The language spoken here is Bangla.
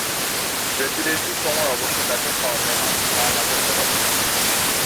রেসিডেন্সির সময় অবশ্য বেতন পাওয়া যায় মাসে চার হাজার ডলারের কাছাকাছি।